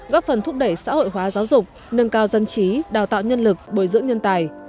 góp phần thúc đẩy xã hội hóa giáo dục nâng cao dân trí đào tạo nhân lực bồi dưỡng nhân tài